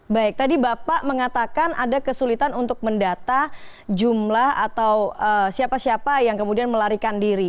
baik tadi bapak mengatakan ada kesulitan untuk mendata jumlah atau siapa siapa yang kemudian melarikan diri